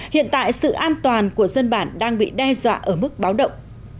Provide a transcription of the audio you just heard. hiện tại sự an toàn của dân bản đang bị đe dọa ở mức báo động